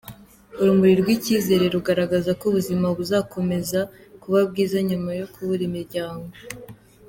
Urumuri rw'icyizere rugaragaza ko ubuzima buzakomeza kuba bwiza nyuma yo kubura imiryango.